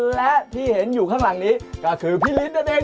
และที่เห็นอยู่ข้างหลังนี้ก็คือพี่ฤทธินั่นเอง